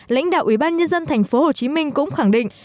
lãnh đạo ủy ban nhân dân thành phố hồ chí minh cũng khẳng định